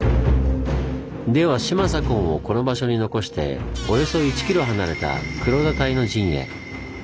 では島左近をこの場所に残しておよそ１キロ離れた黒田隊の陣へ。